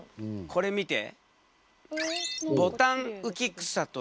これ見て。